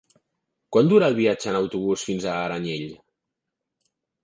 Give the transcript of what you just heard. Quant dura el viatge en autobús fins a Aranyel?